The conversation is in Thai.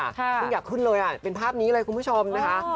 ซึ่งอยากขึ้นเลยเป็นภาพนี้เลยคุณผู้ชมนะคะ